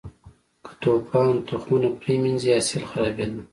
که توپان تخمونه پرې منځي، حاصل خرابېده.